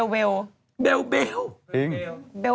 เบลว์เบลว์เฉยหรือเปล่าแล้วทำไมเป็นเบลว์เบลว์